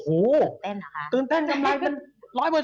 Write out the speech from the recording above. ตื่นเต้นเหรอคะ